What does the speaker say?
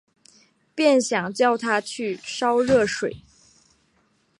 便想叫她去烧热水